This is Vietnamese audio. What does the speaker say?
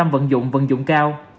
ba mươi vận dụng vận dụng cao